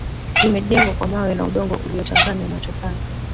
Limejengwa kwa mawe na udongo uliochanganywa na chokaa